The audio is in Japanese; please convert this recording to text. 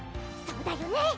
そうだよね？